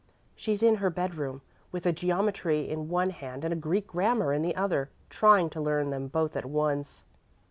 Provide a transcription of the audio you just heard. "She's in her bedroom, with a geometry in one hand and a Greek grammar in the other, trying to learn them both at once."